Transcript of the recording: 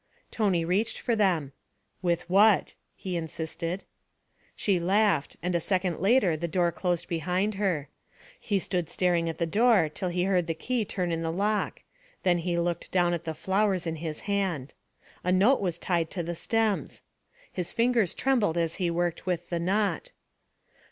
Tony reached for them. 'With what?' he insisted. She laughed; and a second later the door closed behind her. He stood staring at the door till he heard the key turn in the lock, then he looked down at the flowers in his hand. A note was tied to the stems; his fingers trembled as he worked with the knot.